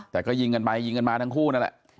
แต่ก็ยิงกันไปยิงกันมาทั้งคู่นั่นแหละ